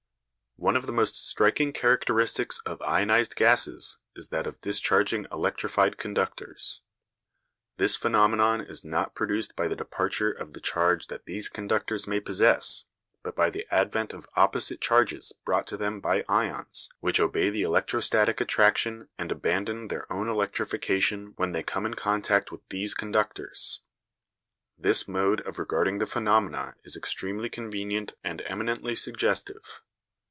One of the most striking characteristics of ionised gases is that of discharging electrified conductors. This phenomenon is not produced by the departure of the charge that these conductors may possess, but by the advent of opposite charges brought to them by ions which obey the electrostatic attraction and abandon their own electrification when they come in contact with these conductors. This mode of regarding the phenomena is extremely convenient and eminently suggestive.